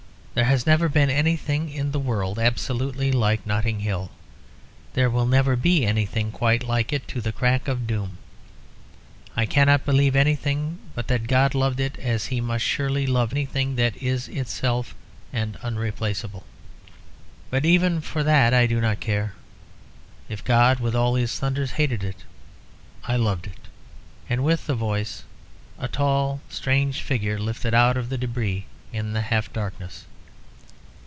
There has never been anything in the world absolutely like Notting Hill. There will never be anything quite like it to the crack of doom. I cannot believe anything but that God loved it as He must surely love anything that is itself and unreplaceable. But even for that I do not care. If God, with all His thunders, hated it, I loved it." And with the voice a tall, strange figure lifted itself out of the débris in the half darkness.